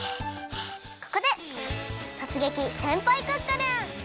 ここで「とつげき！せんぱいクックルン！」。